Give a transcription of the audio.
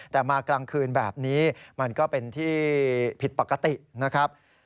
แต่มากลางคืนแบบนี้มันก็เป็นที่ผิดปกตินะครับ